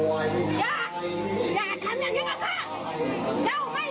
ไม่เจ้าไม่ใช่ออกไป